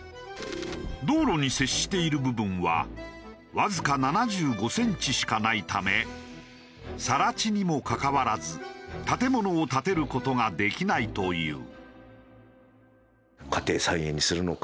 道路に接している部分はわずか７５センチしかないため更地にもかかわらず建物を建てる事ができないという。